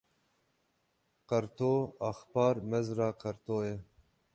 Qerto, Axpar Mezra Qerto ye